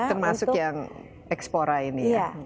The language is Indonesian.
termasuk yang eksplora ini ya